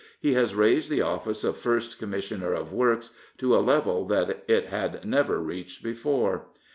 He has raised the office of First Commissioner of Works to a level that it had never reached before.